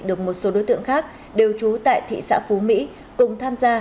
được một số đối tượng khác đều trú tại thị xã phú mỹ cùng tham gia